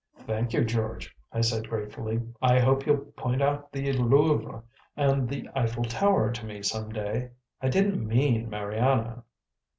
"Thank you, George," I said gratefully. "I hope you'll point out the Louvre and the Eiffel Tower to me some day. I didn't mean Mariana."